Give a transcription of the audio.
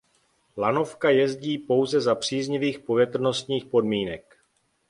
Lanovka jezdí pouze za příznivých povětrnostních podmínek.